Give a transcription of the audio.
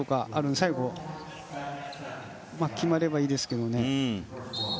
最後、決まればいいですけどね。